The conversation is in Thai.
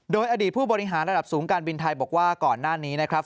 โดยอดีตผู้บริหารระดับสูงการบินไทยบอกว่าก่อนหน้านี้นะครับ